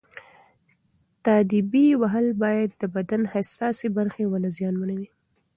تاديبي وهل باید د بدن حساسې برخې ونه زیانمنوي.